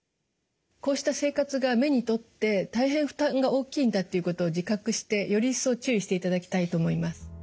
こうした生活が目にとって大変負担が大きいんだっていうことを自覚してより一層注意していただきたいと思います。